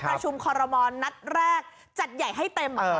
ประชุมคอรมอลนัดแรกจัดใหญ่ให้เต็ม